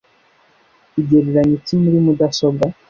igereranya iki muri mudasobwa